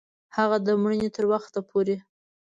هغه د مړینې تر وخت پوري